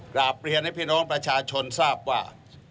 กราบเรียนให้พี่น้องประชาชนทราบว่า